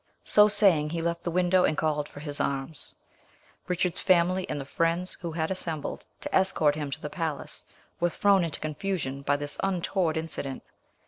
So saying, he left the window and called for his arms. Richard's family and the friends who had assembled to escort him to the palace were thrown into confusion by this untoward incident.